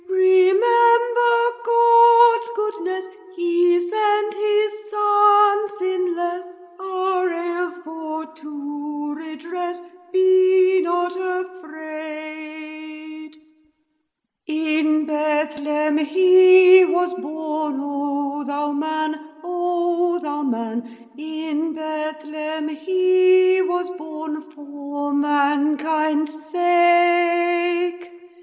Remember God's goodnesse; He sent His Son sinlesse Our ails for to redress; Be not afraid! In Bethlehem He was born, O thou Man: In Bethlehem He was born, For mankind's sake.